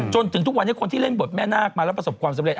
จนถึงทุกวันนี้คนที่เล่นบทแม่นาคมาแล้วประสบความสำเร็